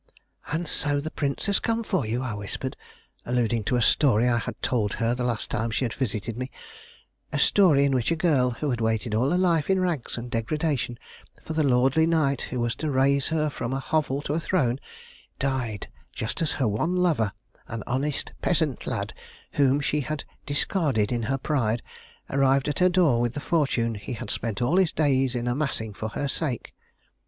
"And so the Prince has come for you?" I whispered, alluding to a story I had told her the last time she had visited me; a story in which a girl, who had waited all her life in rags and degradation for the lordly knight who was to raise her from a hovel to a throne, died just as her one lover, an honest peasant lad whom she had discarded in her pride, arrived at her door with the fortune he had spent all his days in amassing for her sake.